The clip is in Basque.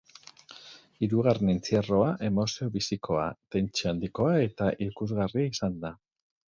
Hirugarren entzierroa emozio bizikoa, tentsio handikoa eta ikusgarria izan da.